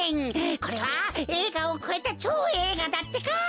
これはえいがをこえたちょうえいがだってか！